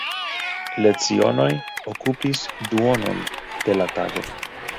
Lecionoj okupis duonon de la tago.